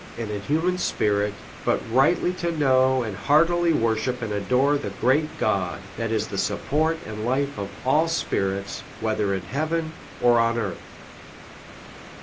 noble, in a human spirit, but rightly to know, and heartily worship and adore the great God, that is the support and life of all spirits, whether in heaven or on «arth.